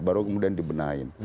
baru kemudian dibenahi